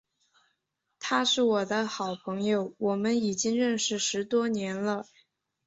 他是我的好朋友，我们已经认识十多年了。